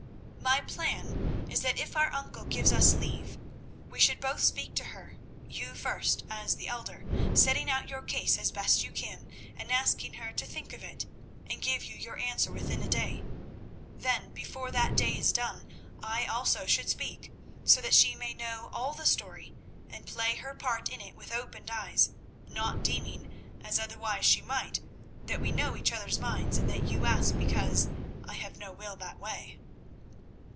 "My plan is that if our uncle gives us leave, we should both speak to her—you first, as the elder, setting out your case as best you can, and asking her to think of it and give you your answer within a day. Then, before that day is done I also should speak, so that she may know all the story, and play her part in it with opened eyes, not deeming, as otherwise she might, that we know each other's minds, and that you ask because I have no will that way."